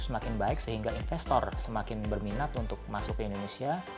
semakin baik sehingga investor semakin berminat untuk masuk ke indonesia